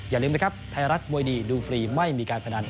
อย่าลืมนะครับไทยรัฐมวยดีดูฟรีไม่มีการพนัน